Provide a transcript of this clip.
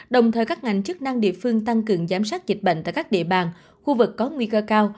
đồng thời các ngành chức năng địa phương tăng cường giám sát dịch bệnh tại các địa bàn khu vực có nguy cơ cao